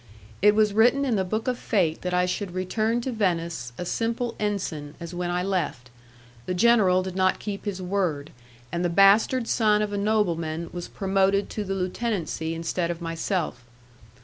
It was written in the book of fate that I should return to Venice a simple ensign as when I left: the general did not keep his word, and the bastard son of a nobleman was promoted to the lieutenancy instead of myself.